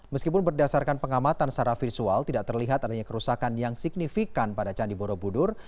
meskipun berdasarkan pengamatan secara virtual tidak terlihat adanya kerusakan yang signifikan pada candi borobudur